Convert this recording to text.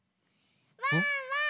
ワンワーン！